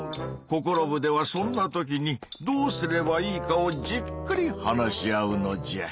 「ココロ部！」ではそんな時にどうすればいいかをじっくり話し合うのじゃ。